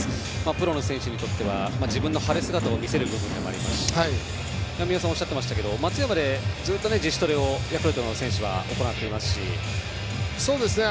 プロの選手にとっては自分の晴れ姿を見せる部分でもありますし宮本さんおっしゃっていましたが松山でずっと自主トレをヤクルトの選手は行っていますしね。